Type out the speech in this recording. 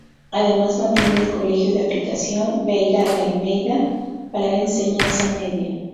Además mantiene el Colegio de aplicación Veiga de Almeida para la enseñanza media.